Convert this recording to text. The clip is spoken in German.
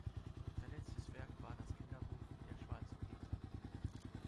Sein letztes Werk war das Kinderbuch: "„Der schwarze Peter“".